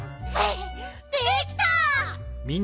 できた！